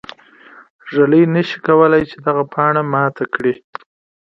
ږلۍ نه شي کولای چې دغه پاڼه ماته کړي.